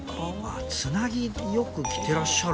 あっつなぎよく着てらっしゃるか。